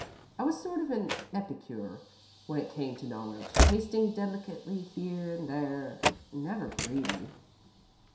I was sort of an epicure when it came to knowledge, tasting delicately here and there, and never greedy.